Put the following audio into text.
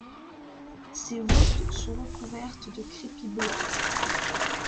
Ses voutes sont recouvertes de crépi blanc.